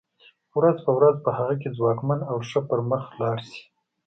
ورځ په ورځ په هغه کې ځواکمن او ښه پرمخ لاړ شي.